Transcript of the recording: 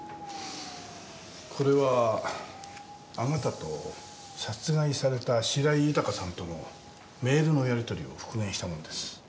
これはあなたと殺害された白井豊さんとのメールのやり取りを復元したものです。